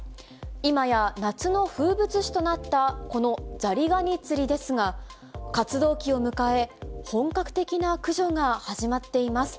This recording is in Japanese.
今や夏の風物詩となったこのザリガニ釣りですが、活動期を迎え、本格的な駆除が始まっています。